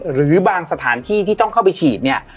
หรือบางสถานที่ที่ต้องเข้าไปฉีดเนี่ย